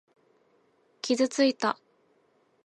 傷ついた。